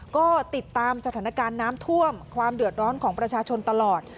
ก็ติดตามสถานการณ์น้ำท่วมความเดือดร้อนของประชาชนตลอด